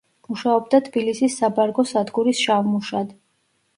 მუშაობდა თბილისის საბარგო სადგურის შავ მუშად.